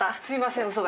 すいません。